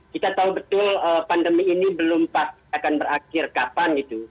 kita tahu betul pandemi ini belum pasti akan berakhir kapan itu